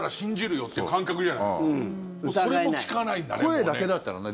声だけだったらね